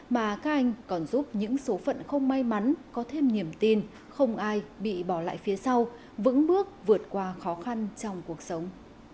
mà các anh còn giúp những số phận không may mắn có thêm niềm tin không ai bị bỏ lại phía sau vững bước vượt qua khó khăn trong cuộc sống